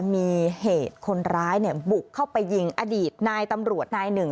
มีเหตุคนร้ายบุกเข้าไปยิงอดีตนายตำรวจนายหนึ่ง